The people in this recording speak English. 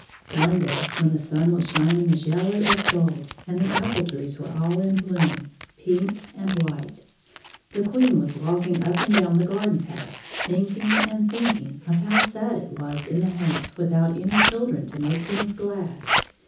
One day, when the sun was shining as yellow as gold, and the apple trees were all in bloom,— x pink and white, — the Queen was walking up and down the garden path, thinking and thinking of how sad it was in the house without any children to make things glad.